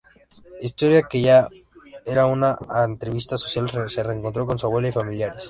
Victoria, que ya era una activista social, se reencontró con su abuela y familiares.